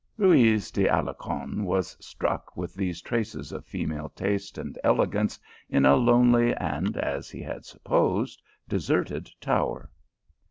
Ruyz de Alarcon was struck with these traces of female taste and elegance in a lonely, and, as he had supposed, deserted tower.